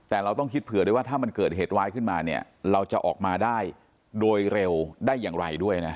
แต่เราต้องคิดเผื่อด้วยว่าถ้ามันเกิดเหตุร้ายขึ้นมาเนี่ยเราจะออกมาได้โดยเร็วได้อย่างไรด้วยนะ